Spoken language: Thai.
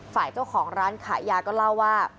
ฝ่ายเจ้าของร้านขายยาก็เล่าว่า